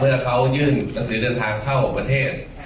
เมื่อเขายื่นหนังสือเดินทางเข้า๖ประเทศ